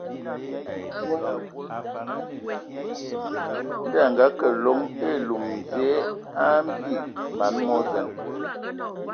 Ndɔ a ngakǝ loŋ elum dzie a mgbig man mo zen.